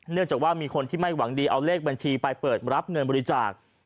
จากว่ามีคนที่ไม่หวังดีเอาเลขบัญชีไปเปิดรับเงินบริจาค